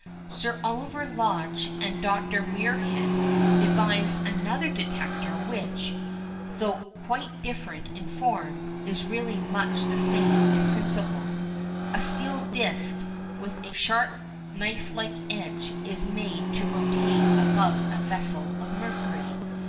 Sir Oliver Lodge and Dr Muirhead devised another detector which, though quite different in form, is really much the same in principle. A steel disc with a sharp knife like edge is made to rotate above a vessel of mercury.